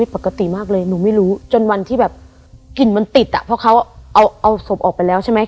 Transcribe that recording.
เพราะเขาเอาศพออกไปแล้วใช่ไหม